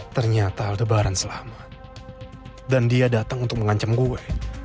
ternyata lebaran selamat dan dia datang untuk mengancam gue